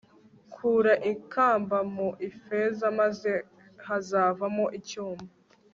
kura inkamba mu ifeza maze hazavamo icyuma